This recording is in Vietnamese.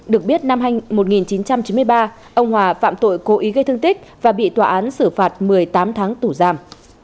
được biết năm một nghìn chín trăm chín mươi ba ông hòa phạm tội cố ý gây thương tích và bị tòa án xử phạt một mươi tám tháng tù giam